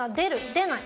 出ない？